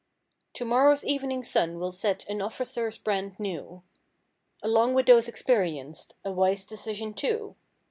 Tomorrow evening's sun will set an officers brand new. Along with those experienced (a wise decision too).